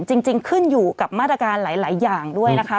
จริงขึ้นอยู่กับมาตรการหลายอย่างด้วยนะคะ